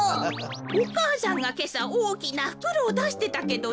お母さんがけさおおきなふくろをだしてたけど。